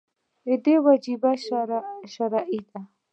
دا وجیبه شرعي ده.